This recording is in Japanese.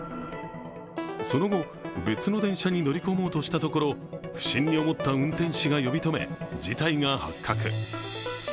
その後、別の電車に乗り込もうとしたところ、不審に思った運転士が呼び止め事態が発覚。